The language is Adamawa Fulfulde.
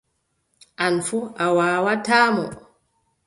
An fuu a waawataa mo.